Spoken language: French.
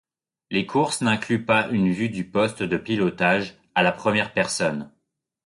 Les courses n'incluent pas une vue du poste de pilotage à la première personne.